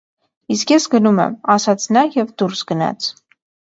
- Իսկ ես գնում եմ,- ասաց նա և դուրս գնաց: